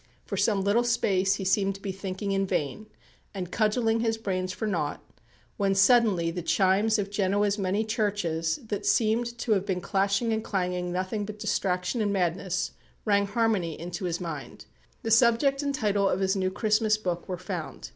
For some little space he seemed to be thinking in vain, and cudgelling his brains for naught, when suddenly the chimes of Genoa's many churches, that seemed to have been clashing and clanging nothing but distraction and madness, rang harmony into his mind. The subject and title of his new Christmas book were found.